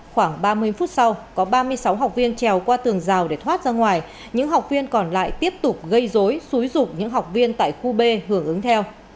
khoảng ba mươi phút sau có ba mươi sáu học viên trèo qua tường rào để thoát ra ngoài những học viên còn lại tiếp tục gây dối xúi dụng những học viên tại khu b hưởng ứng theo